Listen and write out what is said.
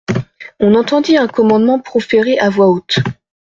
On entendit un commandement proféré à voix haute.